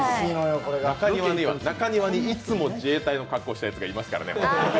中庭にいつも自衛隊の格好したやつがいますからね。